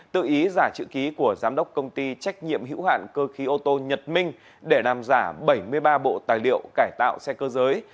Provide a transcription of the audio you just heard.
tự ý giả chữ ký của giám đốc công ty trách nhiệm hữu hạn cơ khí ô tô nhật minh để làm giả bảy mươi ba bộ tài liệu cải tạo xe cơ giới